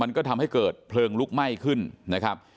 มันก็ทำให้เกิดเพลิงลุกไหม้ขึ้นนะครับ